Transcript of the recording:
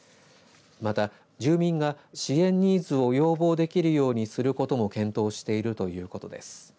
また、住民が支援ニーズを要望できるようにすることも検討しているということです。